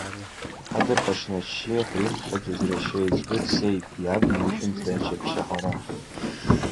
Адырхаҽны аччиа ҳәа ирԥхьаӡоз рашьа еиҵбы дцеит иаб инышәынҭра аҷаԥшьараҳәа.